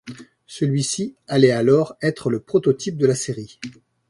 Celui-ci allait alors être le prototype de la série.